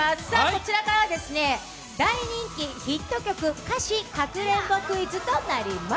こちらからは大人気ヒット曲歌詞かくれんぼクイズとなります。